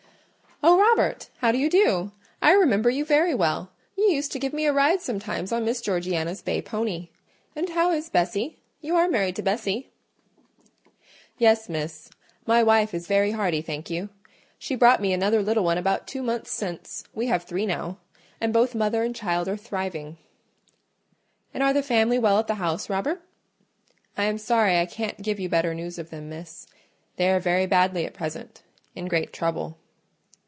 "Oh, Robert! how do you do? I remember you very well: you used to give me a ride sometimes on Miss Georgiana's bay pony. And how is Bessie? You are married to Bessie?" "Yes, Miss: my wife is very hearty, thank you; she brought me another little one about two months since—we have three now—and both mother and child are thriving." "And are the family well at the house, Robert?" "I am sorry I can't give you better news of them, Miss: they are very badly at present—in great trouble."